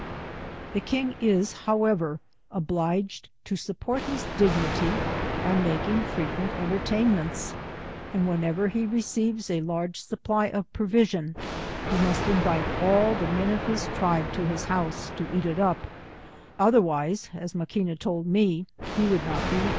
The king is, however, obliged to sup port his dignity by making frequent entertaioments, and whenever he receives a large supply of provi sion, he must invite all the men of his tribe to his house, to eat it up, otherwise, as Maquina told me, he would not be.